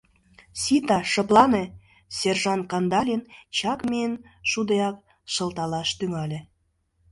— Сита, шыплане! — сержант Кандалин чак миен шудеак шылталаш тӱҥале.